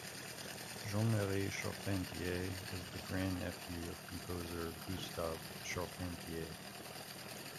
Jean-Marie Charpentier is the grand-nephew of composer Gustave Charpentier.